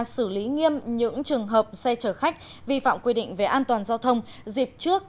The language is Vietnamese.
xử lý nghiêm những trường hợp xe chở khách vi phạm quy định về an toàn giao thông dịp trước